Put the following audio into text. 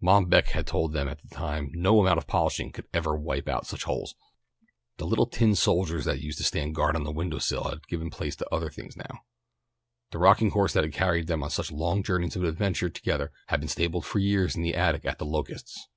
Mom Beck had told them at the time, no amount of polishing could ever wipe out such holes. The little tin soldiers that used to stand guard on the window sill had given place to other things now. The rocking horse that had carried them such long journeys of adventure together had been stabled for years in the attic at The Locusts.